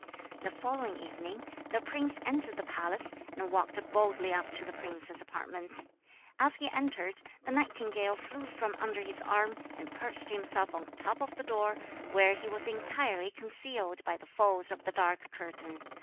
The following evening the prince entered the palace, and walked boldly up to the princess's apartments. As he entered the nightingale flew from under his arm and perched himself on top of the door, where he was entirely concealed by the folds of the dark curtain.